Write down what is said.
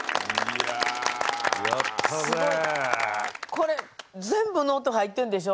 これ全部の音入ってんでしょ。